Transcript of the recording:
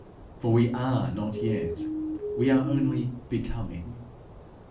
For we are not yet, we are only becoming.